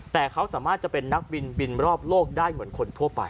แต่เขาสามารถจะเป็นนักบินบินรอบโลกได้เหมือนคนทั่วไป